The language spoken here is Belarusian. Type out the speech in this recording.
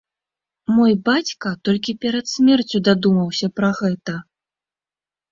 Мой бацька толькі перад смерцю дадумаўся пра гэта!